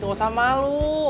gak usah malu